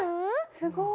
すごい。